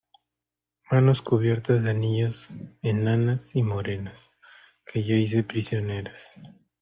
manos cubiertas de anillos, enanas y morenas , que yo hice prisioneras.